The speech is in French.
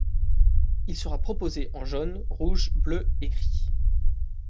Il sera proposé en jaune, rouge, bleu et gris.